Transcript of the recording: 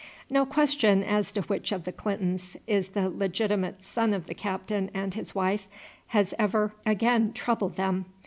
No question as to which of the Clintons is the legitimate son of the captain and his wife has ever again troubled them.